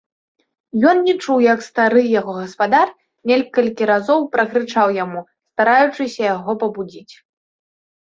Ён не чуў, як стары яго гаспадар некалькі разоў пракрычаў яму, стараючыся яго пабудзіць.